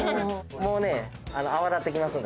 もうね泡立ってきますんで。